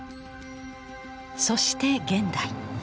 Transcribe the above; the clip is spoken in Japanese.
そして現代。